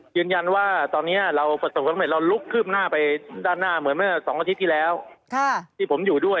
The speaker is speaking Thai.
ยืนยันยืนยันผมดูอยู่